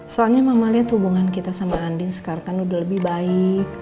soalnya mama lihat hubungan kita sama andin sekarang kan udah lebih baik